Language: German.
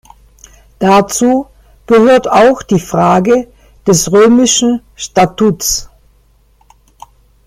Dazu gehört auch die Frage des Römischen Statuts.